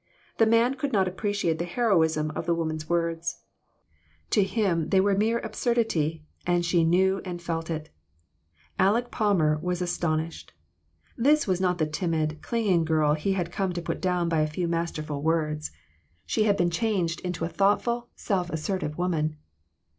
The man could not appreciate the heroism of the woman's words. To him they were mere absurdity, and she knew and felt it. Aleck Palmer was aston ished. This was not the timid, clinging girl he had come to put down by a few masterful words. 34O FANATICISM. She had been changed into a thoughtful, self assertive woman.